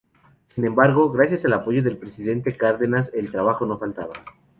Sin embargo, gracias al apoyo del Presidente Cárdenas, el trabajo no faltaba.